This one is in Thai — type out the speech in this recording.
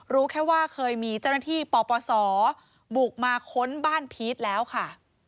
รู้แค่ว่าเคยมีเจ้าหน้าที่ปปศบุกมาค้นบ้านพีชแล้วค่ะ